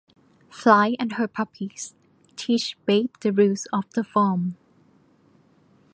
Fly and her puppies teach Babe the rules of the farm.